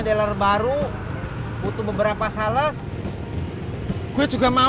ber jarum imbal seram